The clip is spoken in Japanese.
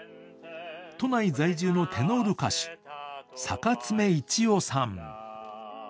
都内在住のテノール歌手、坂爪いちおさん。